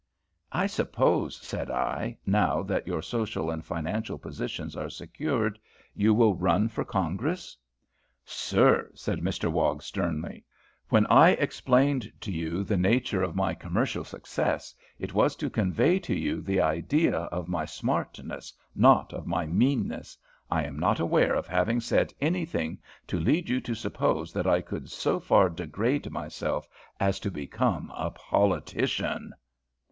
"I suppose," said I, "now that your social and financial position are secured, you will run for Congress." "Sir," said Mr Wog, sternly, "when I explained to you the nature of my commercial success, it was to convey to you the idea of my smartness, not of my meanness. I am not aware of having said anything to lead you to suppose that I could so far degrade myself as to become a politician."